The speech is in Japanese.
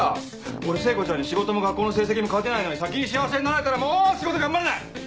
俺聖子ちゃんに仕事も学校の成績も勝てないのに先に幸せになられたらもう仕事頑張れない！